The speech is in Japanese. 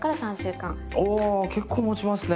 おお結構もちますね！